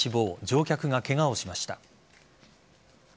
乗客がケガをしました。